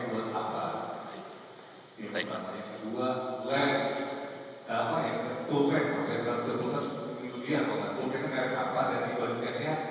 terima kasih pak